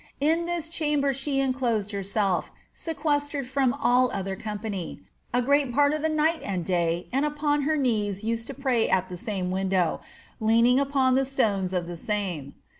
In this chamber she inclosed herself, sequestered from all other company, a great part of the night and day, and upon her knees used to pray at the same window, leaning upon the stones of the same.